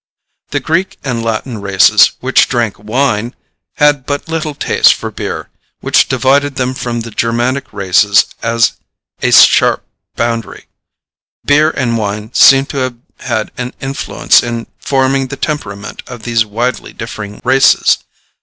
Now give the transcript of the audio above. The Greek and Latin races, which drank wine, had but little taste for beer, which divided them from the Germanic races as a sharp boundary. Beer and wine seem to have had an influence in forming the temperament of these widely differing races.